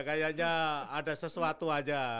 kayaknya ada sesuatu aja